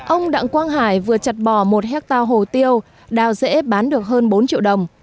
ông đặng quang hải vừa chặt bỏ một hectare hồ tiêu đào rễ bán được hơn bốn triệu đồng